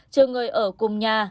chưa người ở cùng nhà